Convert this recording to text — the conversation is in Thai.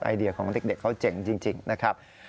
เดียของเด็กเขาเจ๋งจริงนะครับ